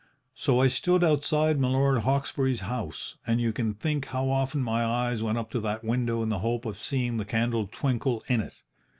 "So I stood outside Milord Hawkesbury's house, and you can think how often my eyes went up to that window in the hope of seeing the candle twinkle in it.